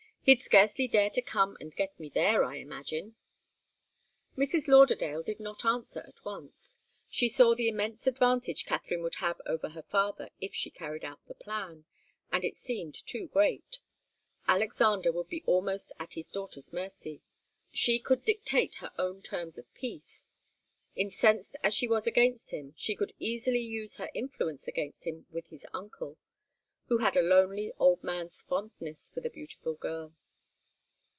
He'd scarcely dare to come and get me there, I imagine." Mrs. Lauderdale did not answer at once. She saw the immense advantage Katharine would have over her father if she carried out the plan, and it seemed too great. Alexander would be almost at his daughter's mercy. She could dictate her own terms of peace. Incensed as she was against him, she could easily use her influence against him with his uncle, who had a lonely old man's fondness for the beautiful girl.